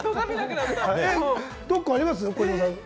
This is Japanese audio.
どこかあります？